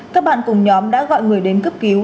các bạn cùng nhóm đã gọi người đến cấp cứu